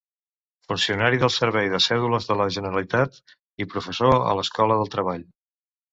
Funcionari del servei de Cèdules de la Generalitat i professor a l’Escola del Treball.